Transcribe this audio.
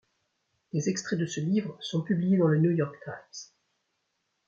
Des extraits de ce livre sont publiés dans le New York Times.